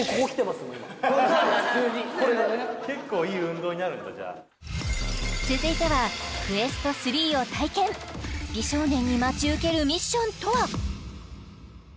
今普通にこれが結構いい運動になるんだじゃあ続いてはＱＵＥＳＴ３を体験美少年に待ち受けるミッションとは？